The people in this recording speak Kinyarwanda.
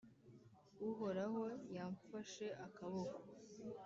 Uhoraho yamfashe akaboko,